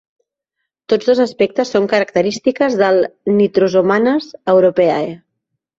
Tots dos aspectes són característiques del "Nitrosomonas europaea".